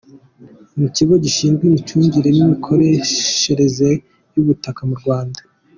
Mu Kigo Gishinzwe Imicungire n’Imikoreshereze y’Ubutaka mu Rwanda .